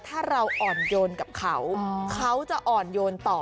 ถ้าเราอ่อนโยนกับเขาเขาจะอ่อนโยนต่อ